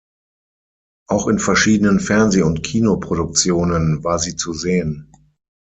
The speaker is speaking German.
Auch in verschiedenen Fernseh- und Kinoproduktionen war sie zu sehen.